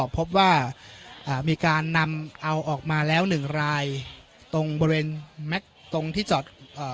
พบว่าอ่ามีการนำเอาออกมาแล้วหนึ่งรายตรงบริเวณแม็กซ์ตรงที่จอดเอ่อ